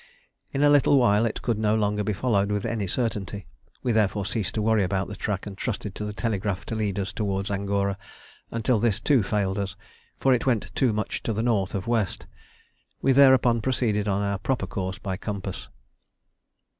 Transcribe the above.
In a little while it could no longer be followed with any certainty. We therefore ceased to worry about the track and trusted to the telegraph to lead us towards Angora, until this too failed us, for it went too much to the north of west. We thereupon proceeded on our proper course by compass.